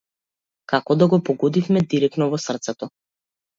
Како да го погодивме директно во срцето.